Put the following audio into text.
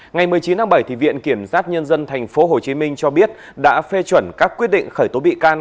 ngày một mươi chín tháng bảy viện kiểm sát nhân dân tp hcm cho biết đã phê chuẩn các quyết định khởi tố bị can